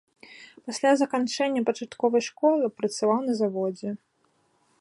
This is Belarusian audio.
Пасля заканчэння пачатковай школы працаваў на заводзе.